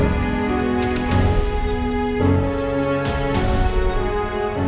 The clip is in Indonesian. aku mau denger